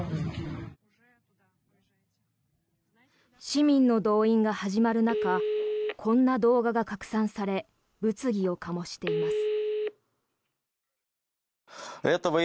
市民の動員が始まる中こんな動画が拡散され物議を醸しています。